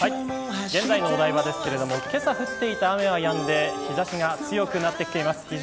現在のお台場ですがけさ降っていた雨はやんで日差しが強くなってきています。